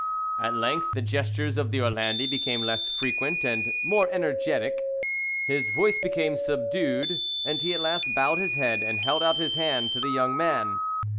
At length the gestures of the Orlandi became less frequent and more energetic. His voice became subdued, and he at last bowed his head and held out his hand to the young man.